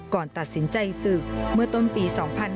ก่อนตัดสินใจศึกเมื่อต้นปี๒๕๕๙